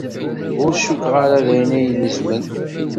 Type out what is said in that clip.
Ur cukkeɣ ara d ayen ara ilezmen.